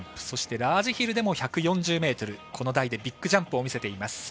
そしてラージヒルでも１４０ｍこの台でビッグジャンプを見せています。